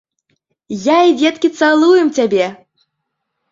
Я і дзеткі цалуем цябе.